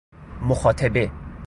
مخاطبه